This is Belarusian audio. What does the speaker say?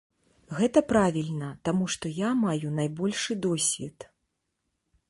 Гэта правільна, таму што я маю найбольшы досвед.